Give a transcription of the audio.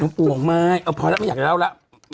ลงปู่ห่วงมากพอแล้วไม่อยากให้เล่าแล้ว